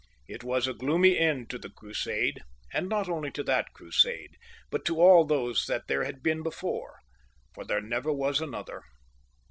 It was a gloomy end to the Crusade ; and not only to that Crusade, but to all those that there had been before, for there never was another.